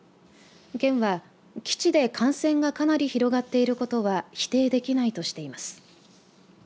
県は、基地で感染がかなり広がっていることは否定できないとしています。